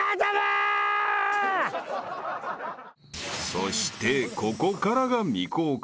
［そしてここからが未公開］